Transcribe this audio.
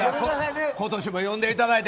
今年も読んでいただいて。